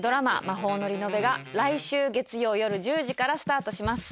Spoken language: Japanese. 「魔法のリノベ」が来週月曜夜１０時からスタートします。